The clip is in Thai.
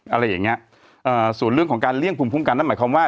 อะไรอย่างเงี้ยเอ่อส่วนเรื่องของการเลี่ยงภูมิคุ้มกันนั่นหมายความว่า